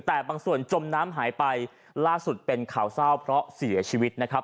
แต่บางส่วนจมน้ำหายไปล่าสุดเป็นข่าวเศร้าเพราะเสียชีวิตนะครับ